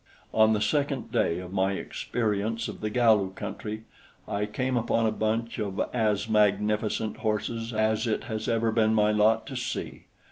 On the second day of my experience of the Galu country I came upon a bunch of as magnificent horses as it has ever been my lot to see.